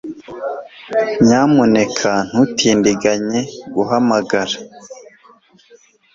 Nyamuneka ntutindiganye guhamagara